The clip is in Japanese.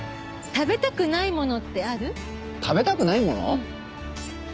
食べたくないもの？